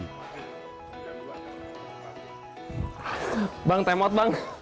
sekarang kita akan mencoba